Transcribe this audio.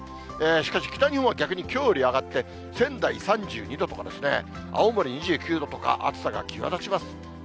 しかし、北日本は逆にきょうより上がって、仙台３２度とか、青森２９度とか、暑さが際立ちます。